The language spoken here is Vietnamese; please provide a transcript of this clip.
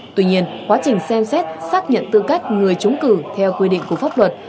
tuy nhiên quá trình xem xét xác nhận tư cách người trúng cử theo quy định của pháp luật